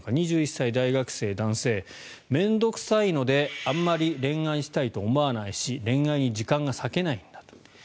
２１歳、大学生男性面倒臭いのであんまり恋愛したいと思わないし恋愛に時間が割けないんだと。